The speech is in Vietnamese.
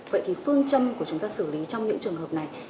vậy thì phương châm của chúng ta xử lý trong những trường hợp này